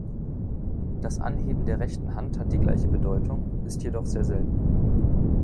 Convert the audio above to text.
Das Anheben der rechten Hand hat die gleiche Bedeutung, ist jedoch sehr selten.